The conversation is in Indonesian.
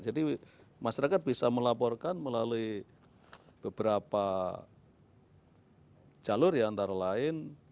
jadi masyarakat bisa melaporkan melalui beberapa jalur ya antara lain